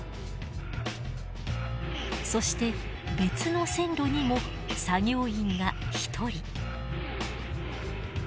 そして別の線路にも作業員が１人。